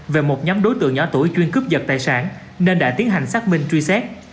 về một nhóm đối tượng nhỏ tuổi chuyên cướp giật tài sản nên đã tiến hành xác minh truy xét